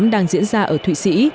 đang diễn ra ở thụy sĩ